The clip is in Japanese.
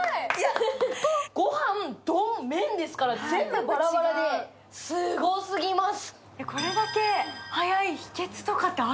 ご飯、丼、麺ですから、全部バラバラで、すごすぎます！